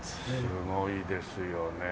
すごいですよねえ。